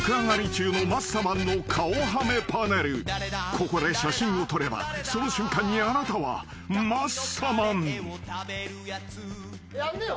［ここで写真を撮ればその瞬間にあなたはマッサマン］やんなよ。